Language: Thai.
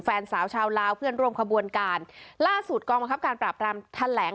แฟนสาวชาวลาวเพื่อนร่วมขบวนการล่าสุดกองบังคับการปราบรามแถลง